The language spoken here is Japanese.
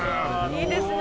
いいですね。